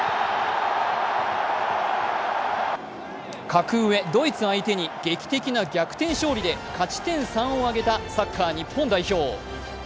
格上・ドイツ相手に劇的な逆転勝利で勝ち点３を挙げた、サッカー日本代表。